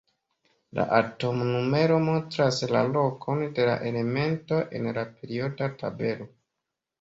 La atomnumero montras la lokon de la elemento en la perioda tabelo.